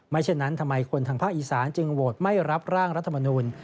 เช่นนั้นทำไมคนทางภาคอีสานจึงโหวตไม่รับร่างรัฐมนูล